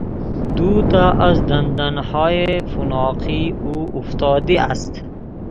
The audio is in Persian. دو تا از دندانهای فوقانی او افتاده است.